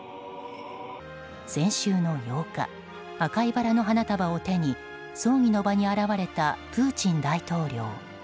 先週の８日赤いバラの花束を手に葬儀の場に現れたプーチン大統領。